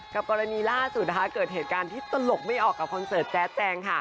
กับกรณีร่าสุดเกิดที่ตลกไม่เอากับคอนเซิร์ทแจ๊ฎแจ้ง